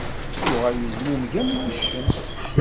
Yuɣal yezmumeg am wuccen.